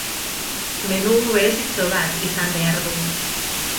Menu berezitxo bat izan behar du.